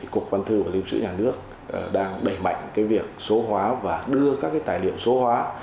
cục văn thư và lưu trữ nhà nước đang đẩy mạnh cái việc số hóa và đưa các cái tài liệu số hóa